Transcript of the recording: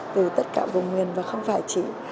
từ tất cả vùng nguyên và không phải chỉ